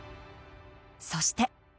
そして。